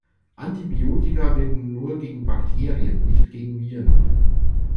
Antibiotika wirken nur gegen Bakterien, nicht gegen Viren.